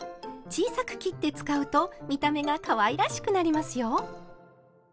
小さく切って使うと見た目がかわいらしくなりますよ。